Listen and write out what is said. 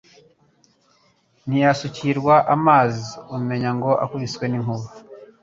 Ntiyasukirwa amazi Umenya ngo akubiswe n'inkuba